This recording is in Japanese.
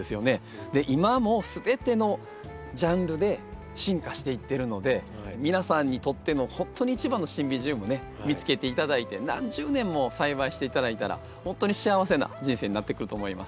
今も全てのジャンルで進化していってるので皆さんにとってのほんとに一番のシンビジウムね見つけて頂いて何十年も栽培して頂いたらほんとに幸せな人生になってくると思います。